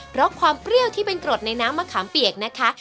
เพราะความเปรี้ยวที่เป็นกรดในน้ำมะขามเปียกนะคะ